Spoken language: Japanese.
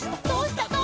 「どうした？」